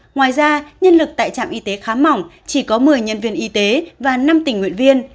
ngoài ra nhân lực tại trạm y tế khá mỏng chỉ có một mươi nhân viên y tế và năm tình nguyện viên